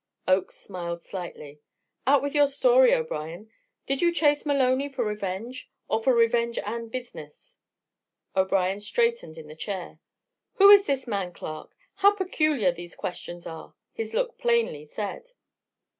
Oakes smiled slightly. "Out with your story, O'Brien. Did you chase Maloney for revenge, or for revenge and business?" O'Brien straightened in the chair. "Who is this man Clark? How peculiar these questions are!" his look plainly said.